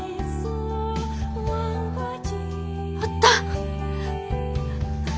あった！